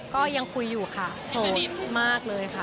ก็ยังคุยอยู่ค่ะโสดมากเลยค่ะ